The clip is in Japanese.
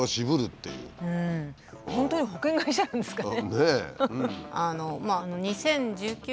本当に保険会社なんですかね。